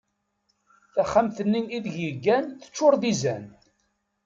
Taxxamt-nni ideg yeggan teččur d izan.